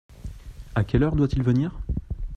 À quelle heure doit-il venir ?